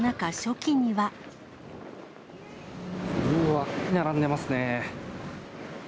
うわ、すごく並んでますね。